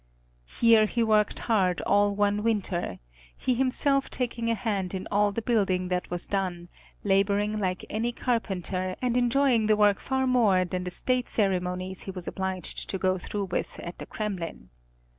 Here he worked hard all one winter, he himself taking a hand in all the building that was done, laboring like any carpenter and enjoying the work far more than the state ceremonies he was obliged to go through with at the Kremlin.